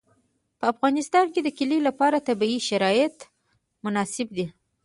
په افغانستان کې د کلي لپاره طبیعي شرایط مناسب دي.